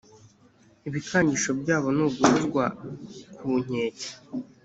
ibikangisho byabo ni guhozwa ku nkeke